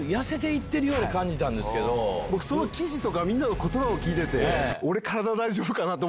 僕その記事とかみんなの言葉を聞いてて。